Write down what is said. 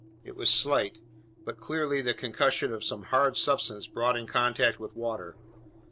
It was slight, but clearly the concussion of some hard substance brought in contact with water.